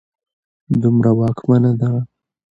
دومره واکمنه ده